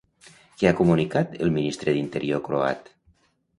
Què ha comunicat el ministre d'Interior croat?